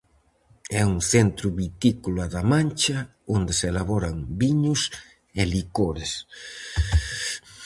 É un centro vitícola da Mancha, onde se elaboran viños e licores.